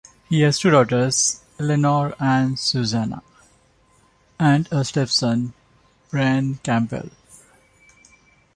He has two daughters, Eleanor and Susannah, and a stepson, Brean Campbell.